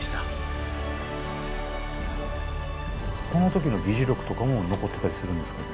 この時の議事録とかも残ってたりするんですかね？